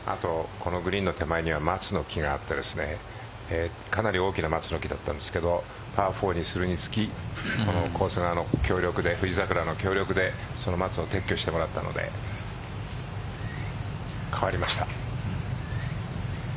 グリーンの手前には松の木があってかなり大きな松の木だったんですけどパー４にするにつき富士桜の協力でその松を撤去してもらったので変わりました。